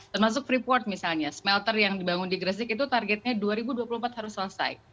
termasuk freeport misalnya smelter yang dibangun di gresik itu targetnya dua ribu dua puluh empat harus selesai